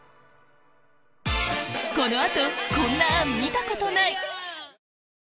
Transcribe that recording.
この後こんな杏見たことない！